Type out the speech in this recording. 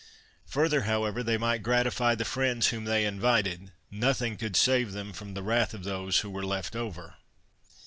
Further, however they might gratify the friends whom they invited, nothing could save them from the wrath of those who were left over.